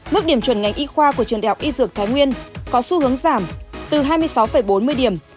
mức điểm chuẩn ngành y khoa của trường đại học y dược thái nguyên có xu hướng giảm từ hai mươi sáu bốn mươi điểm